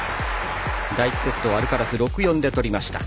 第１セット、アルカラス６−４で取りました。